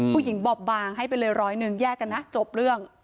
บอบบางให้ไปเลยร้อยหนึ่งแยกกันนะจบเรื่อง